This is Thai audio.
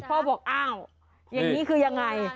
พ่อบอกอ้าวอย่างนี้คือยังไง